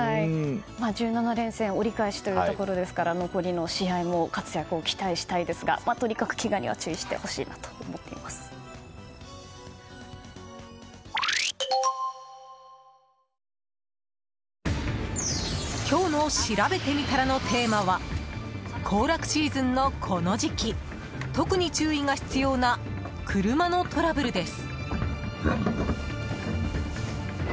１７連戦折り返しというところですから残りの試合も活躍を期待したいですがとにかくけがには注意してほしいなと今日のしらべてみたらのテーマは行楽シーズンのこの時期特に注意が必要な車のトラブルです。